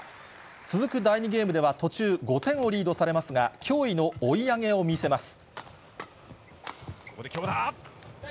続く第２ゲームでは、途中、５点をリードされますが、驚異のここで強打。